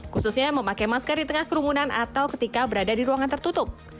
khususnya memakai masker di tengah kerumunan atau ketika berada di ruangan tertutup